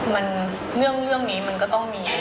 มันเรื่องนี้มันก็ต้องมี